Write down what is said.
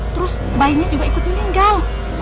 terus bayinya juga ikut meninggal